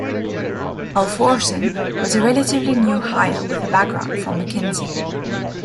Halvorsen was a relatively new hire with a background from McKinsey.